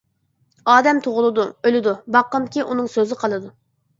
ئادەم تۇغۇلىدۇ، ئۆلىدۇ، باققىنكى، ئۇنىڭ سۆزى قالىدۇ.